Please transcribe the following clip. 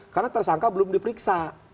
karena tersangka belum diperiksa